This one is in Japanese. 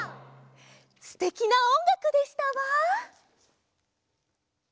すてきなおんがくでしたわ。